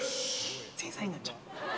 正座になっちゃう。